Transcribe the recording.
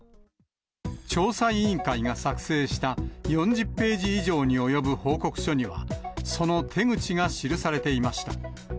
調査委員会が作成した４０ページ以上に及ぶ報告書には、その手口が記されていました。